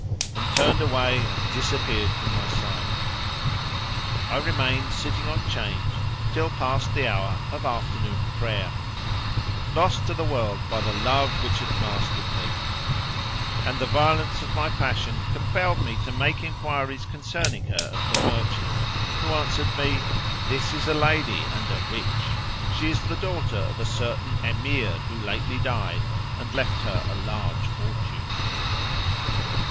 and turned away and disappeared from my sight. I remained sitting on 'Change till past the hour of after noon prayer, lost to the world by the love which had mastered me, and the violence of my passion compelled me to make enquiries concerning her of the merchant, who answered me, "This is a lady and a rich: she is the daughter of a certain Emir who lately died and left her a large fortune."